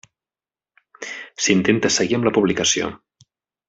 S'intenta seguir amb la publicació.